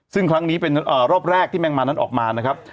ซึ่งครั้งนี้เป็นรอบแรกที่แมงมานั้นออกมานะครับ